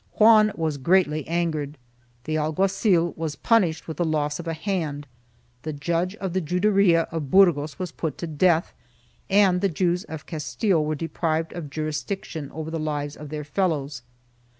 Juan was greatly angered; the alguazil was punished with the loss of a hand, the judge of the Juderia of Burgos was put to death and the Jews of Castile were deprived of jurisdiction over the lives of their fellows.